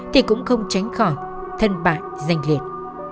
thì cũng không tránh khỏi thân bại danh liệt